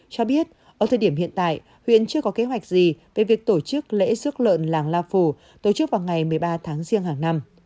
cho biết ở thời điểm hiện tại huyện chưa có kế hoạch gì về việc tổ chức lễ rước lợn làng la phủ tổ chức vào ngày một mươi ba tháng riêng hàng năm